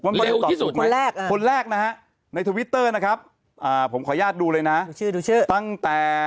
ว่าเขาตอบถูกไหมคนแรกนะฮะในทวิตเตอร์นะครับผมขออนุญาตดูเลยนะฮะตั้งแต่